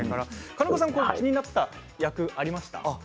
金子さん気になった訳はありましたか。